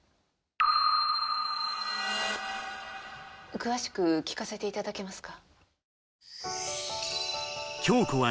詳しく聞かせていただけますか？